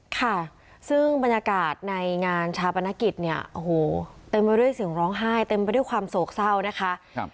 ค่ะซึ่งบรรยากาศในงานชาปนกิจเนี่ยโอ้โหเต็มไปด้วยเสียงร้องไห้เต็มไปด้วยความโศกเศร้านะคะ